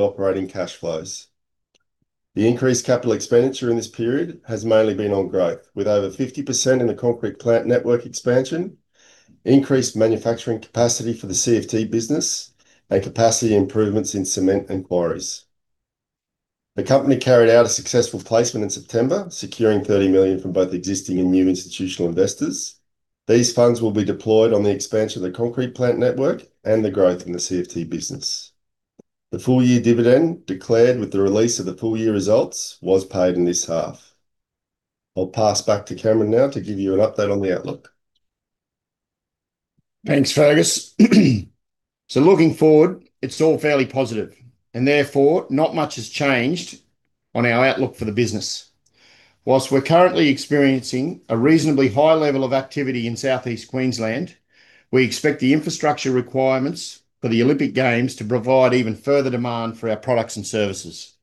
Good operating cash flows. The increased capital expenditure in this period has mainly been on growth, with over 50% in the concrete plant network expansion, increased manufacturing capacity for the CFT business, and capacity improvements in cement and quarries. The company carried out a successful placement in September, securing 30 million from both existing and new institutional investors. These funds will be deployed on the expansion of the concrete plant network and the growth in the CFT business. The full-year dividend, declared with the release of the full-year results, was paid in this half. I'll pass back to Cameron now to give you an update on the outlook. Thanks, Fergus. Looking forward, it's all fairly positive, and therefore, not much has changed on our outlook for the business. Whilst we're currently experiencing a reasonably high level of activity in South East Queensland, we expect the infrastructure requirements for the Olympic Games to provide even further demand for our products and services.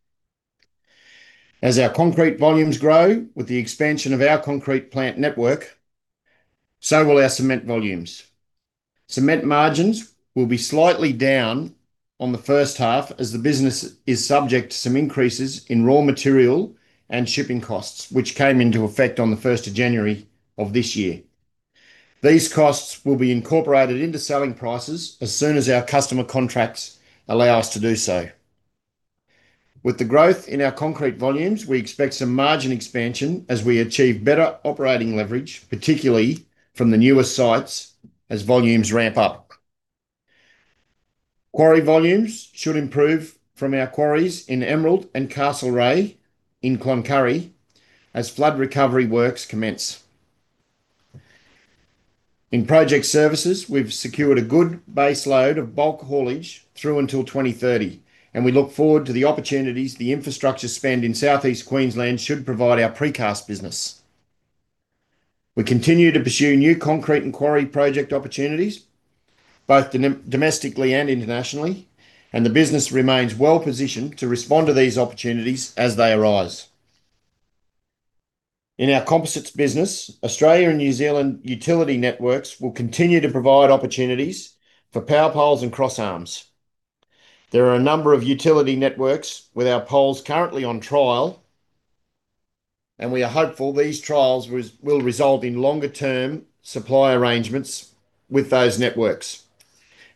As our concrete volumes grow with the expansion of our concrete plant network, so will our cement volumes. Cement margins will be slightly down on the first half as the business is subject to some increases in raw material and shipping costs, which came into effect on the first of January of this year. These costs will be incorporated into selling prices as soon as our customer contracts allow us to do so. With the growth in our concrete volumes, we expect some margin expansion as we achieve better operating leverage, particularly from the newer sites as volumes ramp up. Quarry volumes should improve from our quarries in Emerald and Castlereagh in Cloncurry as flood recovery works commence. We look forward to the opportunities the infrastructure spend in South East Queensland should provide our precast business. We continue to pursue new concrete and quarry project opportunities, both domestically and internationally. The business remains well positioned to respond to these opportunities as they arise. In our composites business, Australia and New Zealand utility networks will continue to provide opportunities for power poles and crossarms. There are a number of utility networks with our poles currently on trial. We are hopeful these trials will result in longer-term supply arrangements with those networks,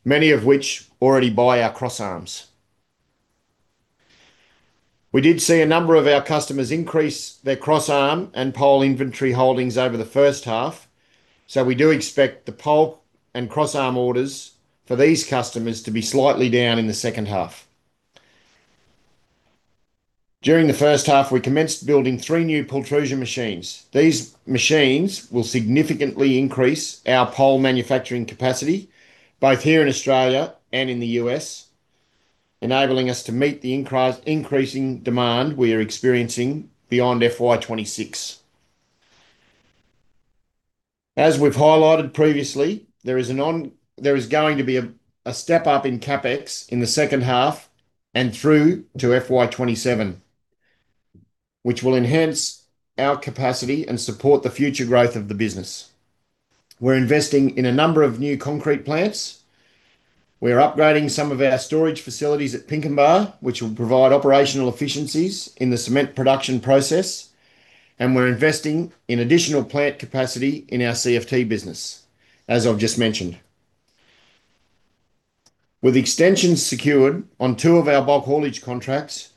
many of which already buy our crossarms. We did see a number of our customers increase their crossarm and pole inventory holdings over the first half, so we do expect the pole and crossarm orders for these customers to be slightly down in the second half. During the first half, we commenced building three new pultrusion machines. These machines will significantly increase our pole manufacturing capacity, both here in Australia and in the U.S., enabling us to meet the increasing demand we are experiencing beyond FY 2026. As we've highlighted previously, there is going to be a step up in CapEx in the second half and through to FY 2027, which will enhance our capacity and support the future growth of the business. We're investing in a number of new concrete plants. We are upgrading some of our storage facilities at Pinkenba, which will provide operational efficiencies in the cement production process. We're investing in additional plant capacity in our CFT business, as I've just mentioned. With extensions secured on two of our bulk haulage contracts,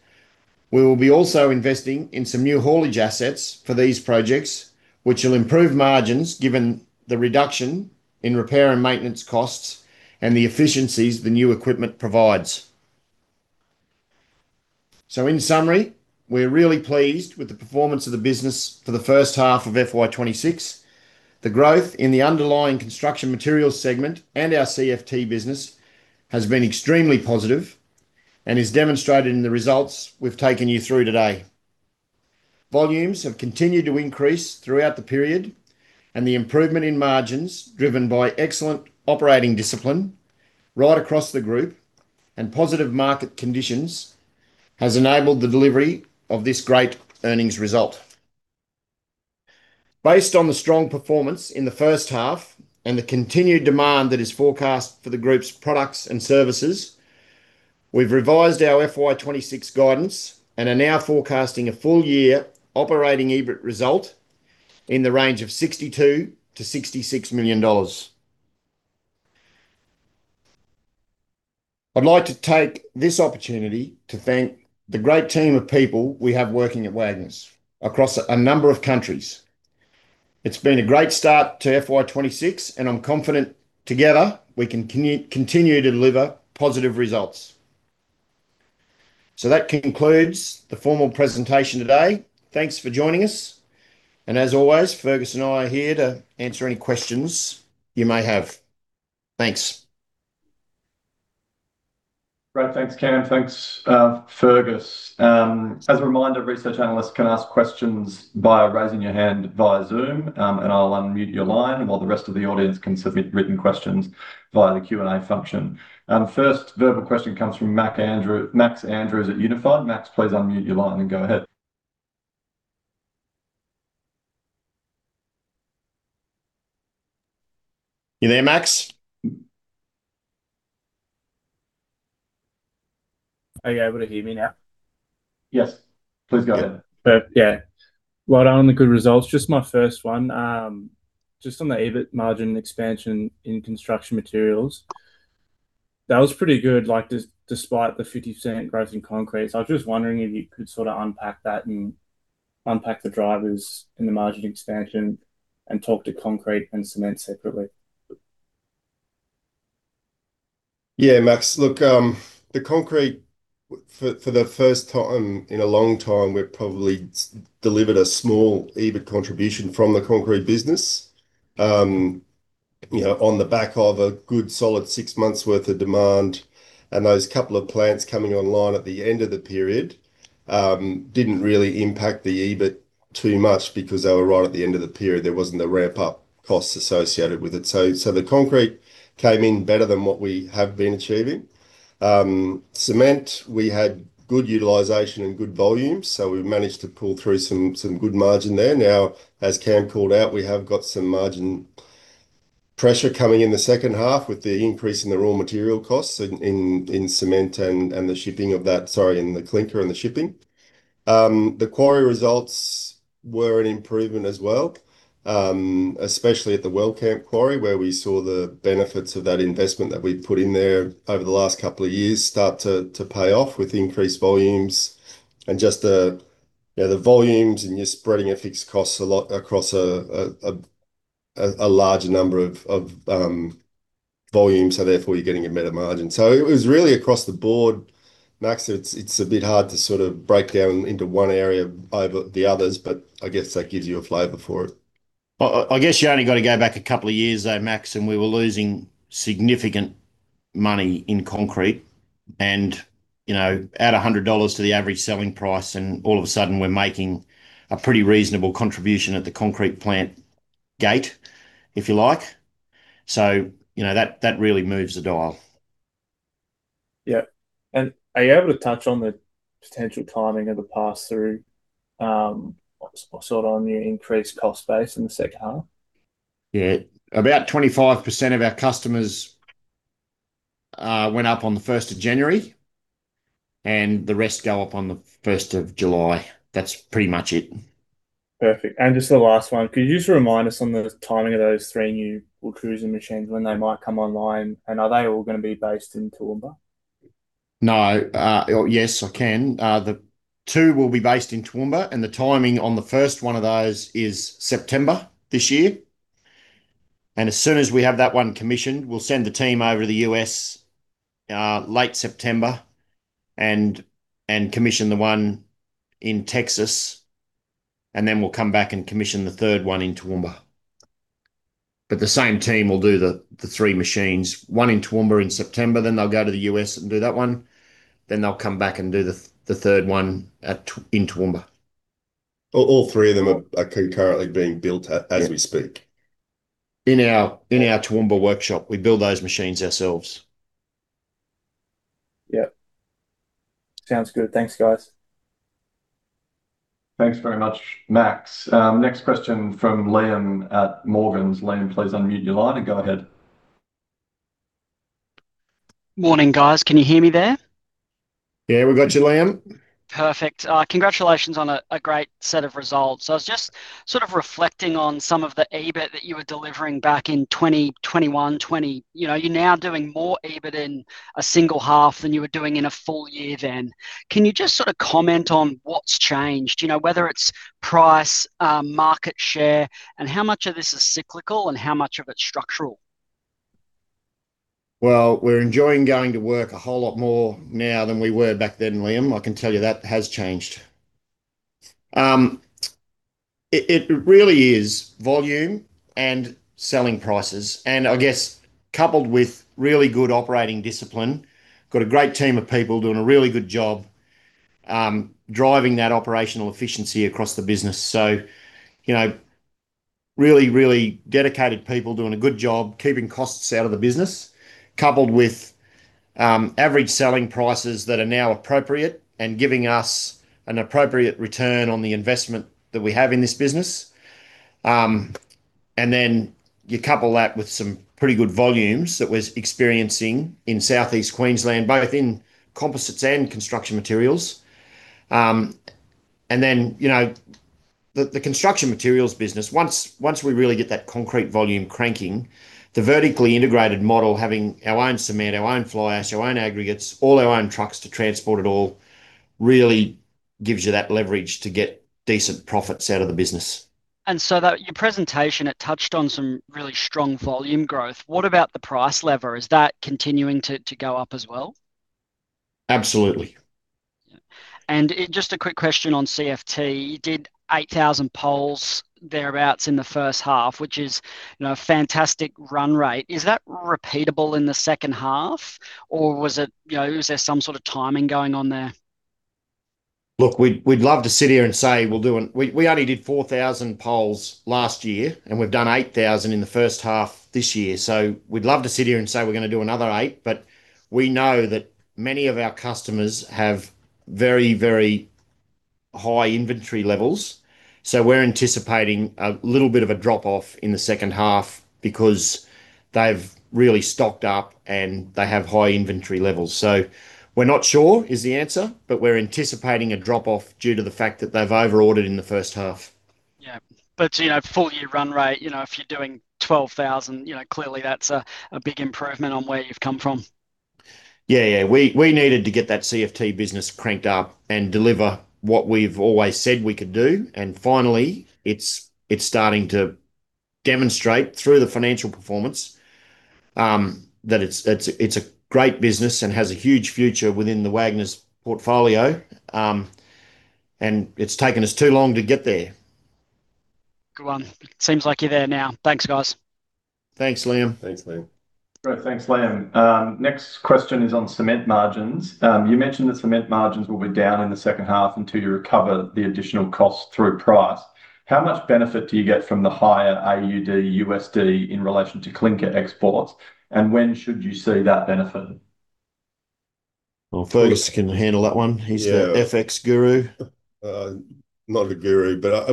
we will be also investing in some new haulage assets for these projects, which will improve margins, given the reduction in repair and maintenance costs and the efficiencies the new equipment provides. In summary, we're really pleased with the performance of the business for the first half of FY 2026. The growth in the underlying construction materials segment and our CFT business has been extremely positive and is demonstrated in the results we've taken you through today. Volumes have continued to increase throughout the period, and the improvement in margins, driven by excellent operating discipline right across the group and positive market conditions, has enabled the delivery of this great earnings result. Based on the strong performance in the first half and the continued demand that is forecast for the group's products and services, we've revised our FY 2026 guidance and are now forecasting a full-year operating EBIT result in the range of 62 million-66 million dollars. I'd like to take this opportunity to thank the great team of people we have working at Wagners across a number of countries. It's been a great start to FY 2026, and I'm confident together, we can continue to deliver positive results. That concludes the formal presentation today. Thanks for joining us, and as always, Fergus and I are here to answer any questions you may have. Thanks. Great. Thanks, Cam. Thanks, Fergus. As a reminder, research analysts can ask questions via raising your hand via Zoom. I'll unmute your line, while the rest of the audience can submit written questions via the Q&A function. First verbal question comes from Max Andrews, Max Andrews at Unified. Max, please unmute your line and go ahead. You there, Max? Are you able to hear me now? Yes. Please go ahead. Yeah. Yeah. Well done on the good results. Just my first one, just on the EBIT margin expansion in construction materials, that was pretty good, like, despite the 50% growth in concrete. I was just wondering if you could sort of unpack that and unpack the drivers in the margin expansion and talk to concrete and cement separately. Yeah, Max, look, the concrete, for the first time in a long time, we've probably delivered a small EBIT contribution from the concrete business. You know, on the back of a good solid six months' worth of demand, and those couple of plants coming online at the end of the period, didn't really impact the EBIT too much because they were right at the end of the period. There wasn't the ramp-up costs associated with it. The concrete came in better than what we have been achieving. Cement, we had good utilization and good volumes, so we've managed to pull through some good margin there. As Cam called out, we have got some margin pressure coming in the second half with the increase in the raw material costs in the clinker and the shipping. The quarry results were an improvement as well, especially at the Wellcamp quarry, where we saw the benefits of that investment that we've put in there over the last couple of years start to pay off with increased volumes. Just the, you know, the volumes and you're spreading your fixed costs a lot across a larger number of volumes, therefore you're getting a better margin. It was really across the board, Max. It's a bit hard to sort of break down into one area over the others, but I guess that gives you a flavor for it. I guess you only got to go back a couple of years, though, Max, and we were losing significant money in concrete and, you know, add 100 dollars to the average selling price, and all of a sudden we're making a pretty reasonable contribution at the concrete plant gate, if you like. You know, that really moves the dial. Yeah. Are you able to touch on the potential timing of the pass-through, sort of on the increased cost base in the second half? Yeah. About 25% of our customers went up on the 1st of January, and the rest go up on the 1st of July. That's pretty much it. Perfect. Just the last one, could you just remind us on the timing of those 3 new pultrusion machines, when they might come online, and are they all gonna be based in Toowoomba? No. Yes, I can. The two will be based in Toowoomba, and the timing on the first one of those is September this year. As soon as we have that one commissioned, we'll send the team over to the U.S., late September and commission the one in Texas, and then we'll come back and commission the third one in Toowoomba. The same team will do the three machines, one in Toowoomba in September, then they'll go to the U.S. and do that one. They'll come back and do the third one in Toowoomba. All three of them are concurrently being built. Yeah... as we speak. In our Toowoomba workshop. We build those machines ourselves. Yeah. Sounds good. Thanks, guys. Thanks very much, Max. Next question from Liam at Morgans. Liam, please unmute your line and go ahead. Morning, guys. Can you hear me there? Yeah, we got you, Liam. Perfect. congratulations on a great set of results. I was just sort of reflecting on some of the EBIT that you were delivering back in 2021. You know, you're now doing more EBIT in a single half than you were doing in a full year then. Can you just sort of comment on what's changed? You know, whether it's price, market share, and how much of this is cyclical and how much of it's structural? We're enjoying going to work a whole lot more now than we were back then, Liam. I can tell you that has changed. It, it really is volume and selling prices, and I guess coupled with really good operating discipline. Got a great team of people doing a really good job, driving that operational efficiency across the business. You know, really, really dedicated people doing a good job, keeping costs out of the business, coupled with, average selling prices that are now appropriate and giving us an appropriate return on the investment that we have in this business. You couple that with some pretty good volumes that we're experiencing in Southeast Queensland, both in composites and construction materials. You know, the construction materials business, once we really get that concrete volume cranking, the vertically integrated model, having our own cement, our own fly ash, our own aggregates, all our own trucks to transport it all, really gives you that leverage to get decent profits out of the business. That, your presentation, it touched on some really strong volume growth. What about the price lever? Is that continuing to go up as well? Absolutely. Yeah. Just a quick question on CFT. You did 8,000 poles thereabouts in the first half, which is, you know, a fantastic run rate. Is that repeatable in the second half, or was it, you know, was there some sort of timing going on there? Look, we'd love to sit here and say. We only did 4,000 poles last year, and we've done 8,000 in the first half this year. We'd love to sit here and say we're gonna do another 8,000, but we know that many of our customers have very, very high inventory levels, so we're anticipating a little bit of a drop-off in the second half because they've really stocked up, and they have high inventory levels. We're not sure, is the answer, but we're anticipating a drop-off due to the fact that they've over-ordered in the first half. Yeah. you know, full-year run rate, you know, if you're doing 12,000, you know, clearly that's a big improvement on where you've come from. Yeah. We needed to get that CFT business cranked up and deliver what we've always said we could do, finally, it's starting to demonstrate through the financial performance that it's a great business and has a huge future within the Wagners portfolio. It's taken us too long to get there. Good one. Seems like you're there now. Thanks, guys. Thanks, Liam. Thanks, Liam. Great. Thanks, Liam. Next question is on cement margins. You mentioned the cement margins will be down in the second half until you recover the additional costs through price. How much benefit do you get from the higher AUD/USD in relation to clinker exports, and when should you see that benefit? Well, Fergus can handle that one. Yeah. He's the FX guru. Not a guru, but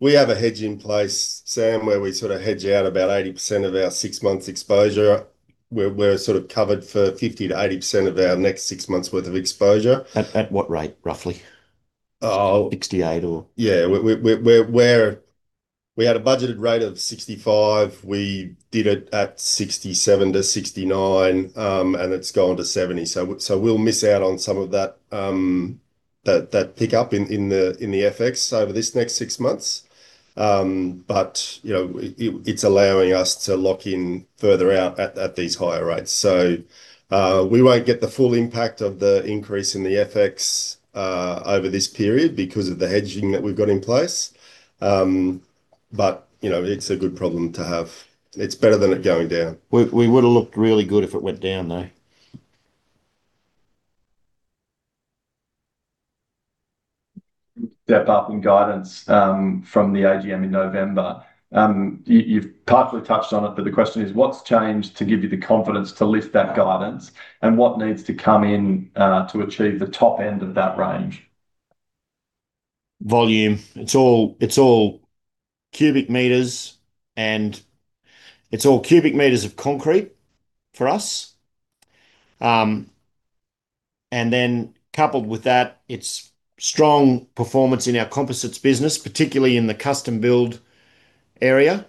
we have a hedge in place, Sam, where we sort of hedge out about 80% of our 6 months' exposure. We're sort of covered for 50%-80% of our next six months' worth of exposure. At what rate, roughly? Uh- 68% or...? Yeah. We had a budgeted rate of 65%. We did it at 67%-69%, and it's gone to 70%. We'll miss out on some of that pick-up in the FX over this next six months. You know, it's allowing us to lock in further out at these higher rates. We won't get the full impact of the increase in the FX over this period because of the hedging that we've got in place. You know, it's a good problem to have. It's better than it going down. We would've looked really good if it went down, though. Step up in guidance from the AGM in November. You've partly touched on it, but the question is, what's changed to give you the confidence to lift that guidance, and what needs to come in to achieve the top end of that range? Volume. It's all cubic meters, and it's all cubic meters of concrete for us. Coupled with that, it's strong performance in our composites business, particularly in the custom build area,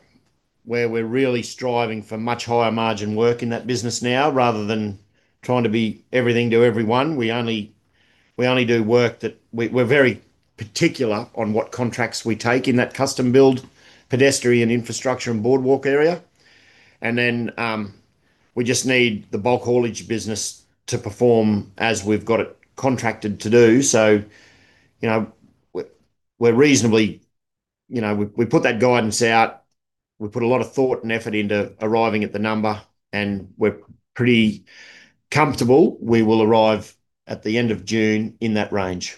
where we're really striving for much higher margin work in that business now. Rather than trying to be everything to everyone, we only do work that, we're very particular on what contracts we take in that custom build, pedestrian infrastructure, and boardwalk area. We just need the bulk haulage business to perform as we've got it contracted to do. You know, we're reasonably, you know, we put that guidance out, we put a lot of thought and effort into arriving at the number, We're pretty comfortable we will arrive at the end of June in that range.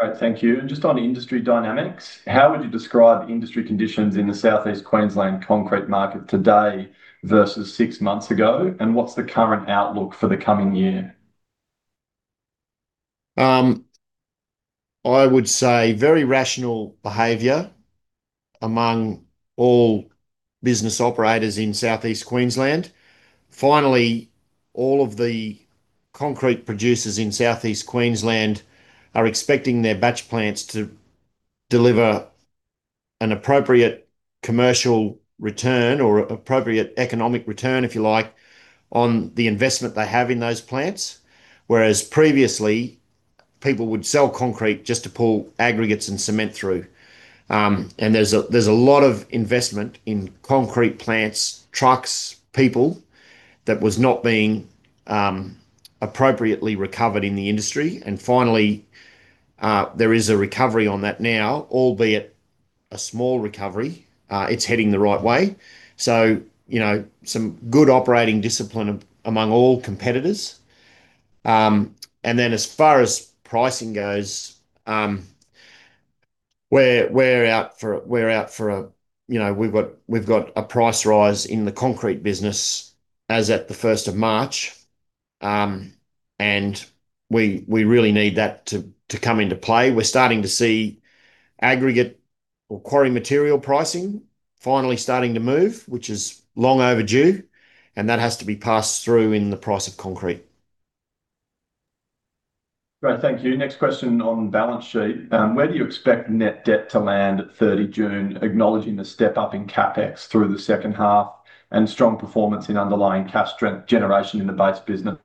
All right, thank you. Just on industry dynamics, how would you describe industry conditions in the South East Queensland concrete market today versus six months ago, and what's the current outlook for the coming year? I would say very rational behavior among all business operators in Southeast Queensland. Finally, all of the concrete producers in Southeast Queensland are expecting their batch plants to deliver an appropriate commercial return or appropriate economic return, if you like, on the investment they have in those plants. Whereas previously, people would sell concrete just to pull aggregates and cement through. There's a lot of investment in concrete plants, trucks, people, that was not being appropriately recovered in the industry. Finally, there is a recovery on that now, albeit a small recovery. It's heading the right way. You know, some good operating discipline among all competitors. As far as pricing goes. You know, we've got a price rise in the concrete business as at the 1st of March. We really need that to come into play. We're starting to see aggregate or quarry material pricing finally starting to move, which is long overdue, and that has to be passed through in the price of concrete. Great, thank you. Next question on balance sheet: Where do you expect net debt to land at 30 June, acknowledging the step-up in CapEx through the second half and strong performance in underlying cash generation in the base business?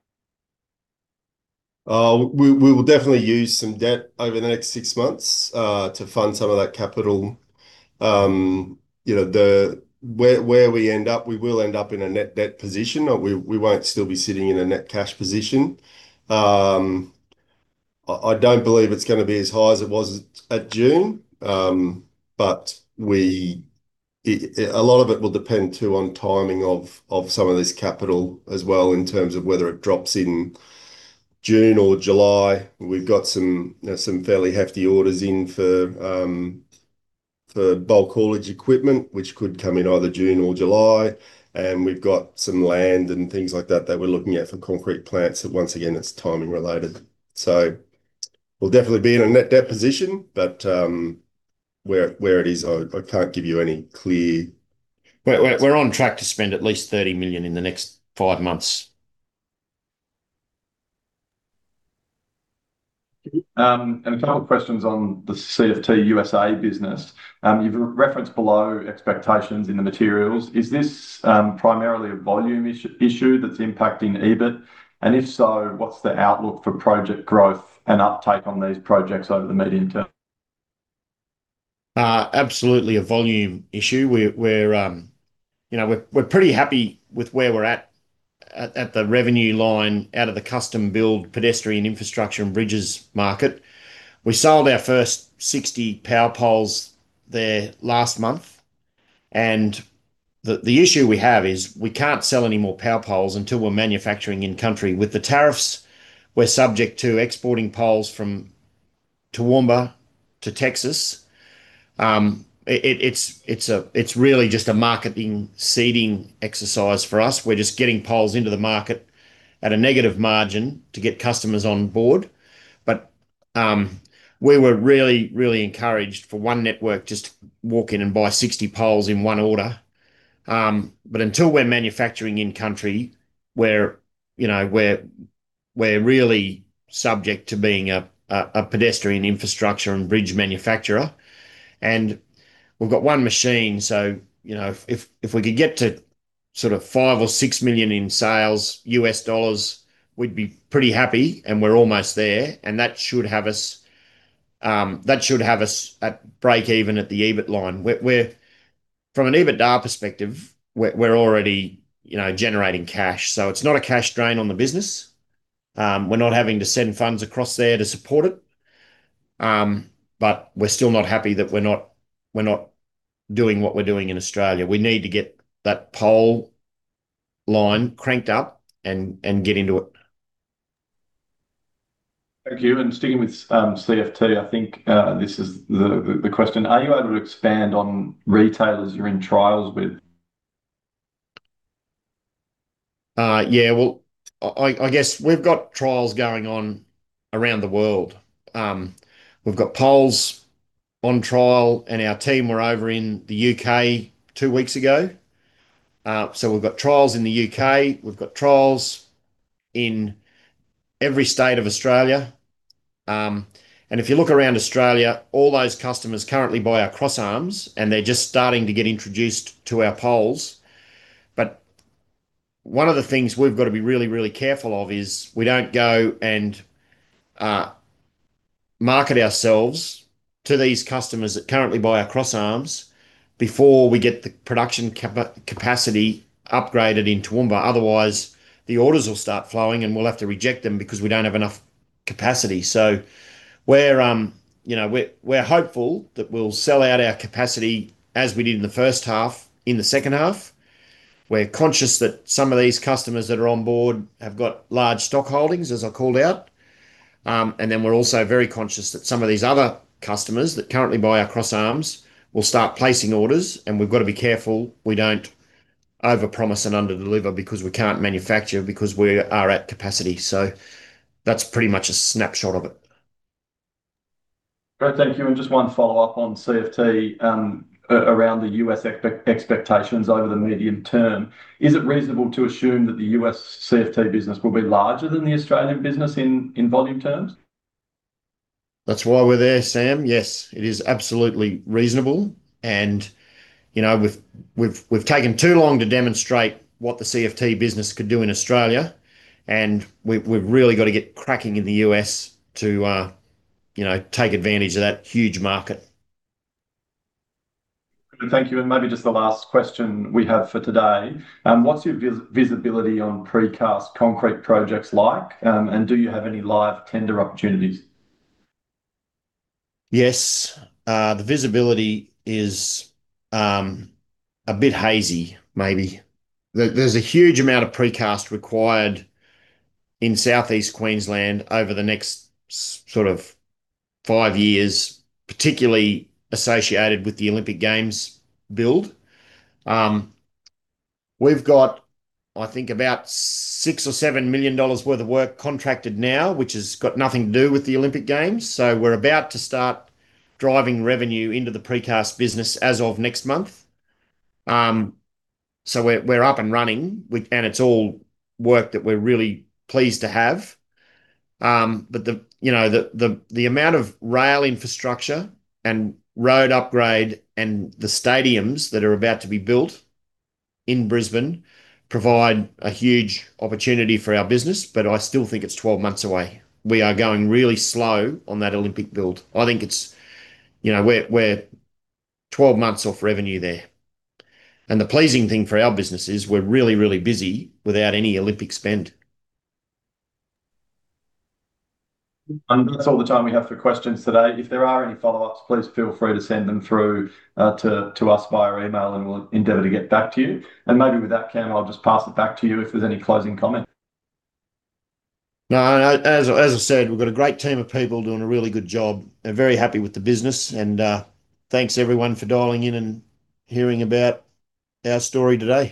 We will definitely use some debt over the next six months to fund some of that capital. You know, where we end up, we will end up in a net debt position, or we won't still be sitting in a net cash position. I don't believe it's gonna be as high as it was at June. A lot of it will depend, too, on timing of some of this capital as well, in terms of whether it drops in June or July. We've got some, you know, some fairly hefty orders in for bulk haulage equipment, which could come in either June or July, and we've got some land and things like that we're looking at for concrete plants, that once again, it's timing related. We'll definitely be in a net debt position, but where it is, I can't give you any. We're on track to spend at least 30 million in the next five months. A couple of questions on the CFT U.S.A. business. You've referenced below expectations in the materials. Is this primarily a volume issue that's impacting EBIT? If so, what's the outlook for project growth and uptake on these projects over the medium term? Absolutely a volume issue. We're, you know, we're pretty happy with where we're at the revenue line out of the custom build pedestrian infrastructure and bridges market. We sold our first 60 power poles there last month. The issue we have is we can't sell any more power poles until we're manufacturing in country. With the tariffs, we're subject to exporting poles from Toowoomba to Texas. It's really just a marketing seeding exercise for us. We're just getting poles into the market at a negative margin to get customers on board. We were really encouraged for one network just to walk in and buy 60 poles in one order. Until we're manufacturing in country, we're, you know, really subject to being a pedestrian infrastructure and bridge manufacturer, and we've got one machine. If we could get to sort of $5 million or $6 million in sales, we'd be pretty happy, and we're almost there. That should have us at break even at the EBIT line. From an EBITDA perspective, we're already, you know, generating cash. It's not a cash drain on the business. We're not having to send funds across there to support it. We're still not happy that we're not doing what we're doing in Australia. We need to get that pole line cranked up and get into it. Thank you. Sticking with CFT, I think, this is the question: Are you able to expand on retailers you're in trials with? Yeah. Well, I guess we've got trials going on around the world. We've got poles on trial, our team were over in the U.K. two weeks ago. We've got trials in the U.K., we've got trials in every state of Australia. If you look around Australia, all those customers currently buy our crossarms, and they're just starting to get introduced to our poles. One of the things we've got to be really, really careful of is, we don't go and market ourselves to these customers that currently buy our crossarms before we get the production capacity upgraded in Toowoomba. Otherwise, the orders will start flowing, and we'll have to reject them because we don't have enough capacity. We're, you know, we're hopeful that we'll sell out our capacity as we did in the first half, in the second half. We're conscious that some of these customers that are on board have got large stock holdings, as I called out. Then we're also very conscious that some of these other customers that currently buy our crossarms will start placing orders, and we've got to be careful we don't overpromise and underdeliver because we can't manufacture, because we are at capacity. That's pretty much a snapshot of it. Great, thank you. Just one follow-up on CFT, around the U.S. expectations over the medium term. Is it reasonable to assume that the U.S. CFT business will be larger than the Australian business in volume terms? That's why we're there, Sam. Yes, it is absolutely reasonable, and, you know, we've taken too long to demonstrate what the CFT business could do in Australia, and we've really got to get cracking in the U.S. to, you know, take advantage of that huge market. Thank you, and maybe just the last question we have for today. What's your visibility on precast concrete projects like? Do you have any live tender opportunities? Yes. The visibility is a bit hazy, maybe. There's a huge amount of precast required in Southeast Queensland over the next sort of five years, particularly associated with the Olympic Games build. We've got, I think, about $6 million-$7 million worth of work contracted now, which has got nothing to do with the Olympic Games. We're about to start driving revenue into the precast business as of next month. We're, we're up and running, and it's all work that we're really pleased to have. The, you know, the amount of rail infrastructure and road upgrade and the stadiums that are about to be built in Brisbane provide a huge opportunity for our business, but I still think it's 12 months away. We are going really slow on that Olympic build. I think it's, you know, we're 12 months off revenue there. The pleasing thing for our business is we're really busy without any Olympic spend. That's all the time we have for questions today. If there are any follow-ups, please feel free to send them through to us via email, and we'll endeavor to get back to you. Maybe with that, Cam, I'll just pass it back to you if there's any closing comment. No, as I said, we've got a great team of people doing a really good job. They're very happy with the business, and, thanks, everyone, for dialing in and hearing about our story today.